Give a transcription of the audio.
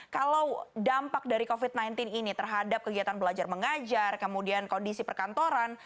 kalau dampak dari covid sembilan belas ini terhadap kegiatan belajar mengajar kemudian kondisi perkantoran